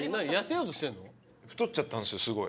太っちゃったんすよすごい。